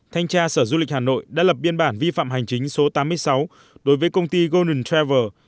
thanh tra sở du lịch hà nội đã lập biên bản vi phạm hành chính số tám mươi sáu đối với công ty golden travel